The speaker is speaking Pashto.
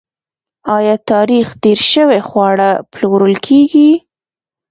آیا تاریخ تیر شوي خواړه پلورل کیږي؟